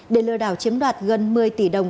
để lừa đảo chiếm đoạt gần một mươi tỷ đồng